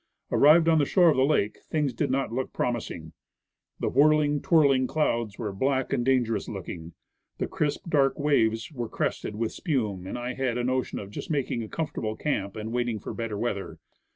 Arrived on the shore of the lake, things did not look promising. The whirling, twirl ing clouds were black and dangerous looking, the crisp, dark waves were crested with spume, and I had a notion of just making a comfortable camp and waiting for better weather.